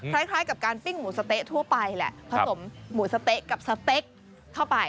คล้ายกับการปิ้งหมูสะเต๊ะทั่วไปแหละผสมหมูสะเต๊ะกับสเต็กเข้าไป